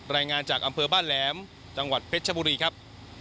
รายงานจากอำเภอบ้านแหลมจังหวัดเพชรชบุรีครับ